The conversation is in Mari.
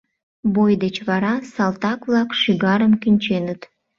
Бой деч вара салтак-влак шӱгарым кӱнченыт.